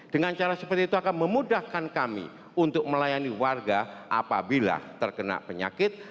dengan cara seperti itu akan memudahkan kami untuk melayani warga apabila terkena penyakit